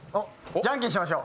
じゃんけんしましょう。